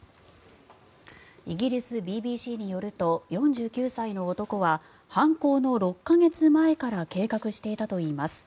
イギリスＢＢＣによると４９歳の男は犯行の６か月前から計画していたといいます。